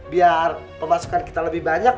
biar pemasukan kita lebih banyak